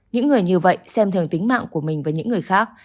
những người như vậy xem thường tính mạng của mình và những người khác